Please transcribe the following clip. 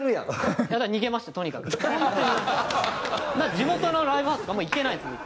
地元のライブハウスとかもう行けないですもん。